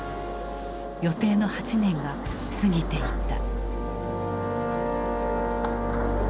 予定の８年が過ぎていった。